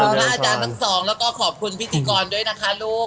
พระอาจารย์ทั้งสองแล้วก็ขอบคุณพิธีกรด้วยนะคะลูก